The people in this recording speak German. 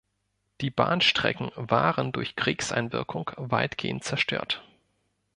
Die Bahnstrecken waren durch Kriegseinwirkung weitgehend zerstört.